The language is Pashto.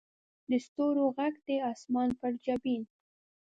د ستورو ږغ دې د اسمان پر جبین